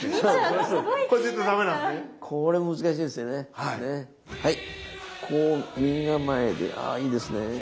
あいいですね。